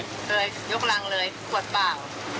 ก็เลยยกรังเลยขวดเปล่า